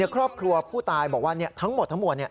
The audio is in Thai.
ครอบครัวผู้ตายบอกว่าทั้งหมดทั้งหมด